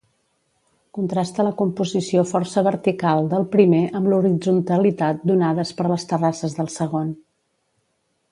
Contrasta la composició força vertical del primer amb l'horitzontalitat donades per les terrasses del segon.